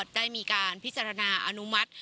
ได้มีการพิจารณาอนุมัติ